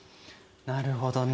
なるほどね。